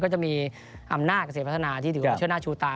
จะมีอำนาจเกษตรพัฒนาที่ถือว่าเชื่อหน้าชูตา